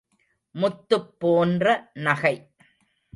முத்துப் போன்ற நகை.